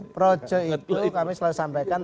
projo itu kami selalu sampaikan